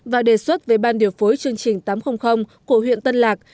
và đề xuất về ban điều phối chương trình tám trăm linh của huyện tân lạc